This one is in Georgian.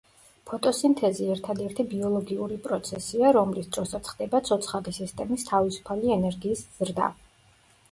ფოტოსინთეზი ერთადერთი ბიოლოგიური პროცესია, რომლის დროსაც ხდება ცოცხალი სისტემის თავისუფალი ენერგიის ზრდა.